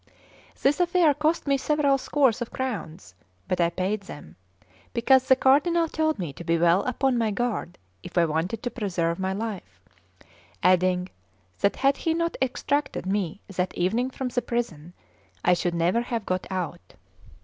This affair cost me several scores of crowns; but I paid them, because the Cardinal told me to be well upon my guard if I wanted to preserve my life, adding that had he not extracted me that evening from the prison, I should never have got out.